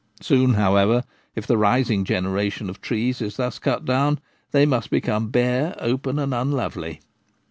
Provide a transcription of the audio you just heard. Soon, however, if the rising generation of trees is thus cut down, they must become bare, open, and unlovely.